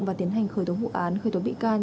và tiến hành khởi tố vụ án khởi tố bị can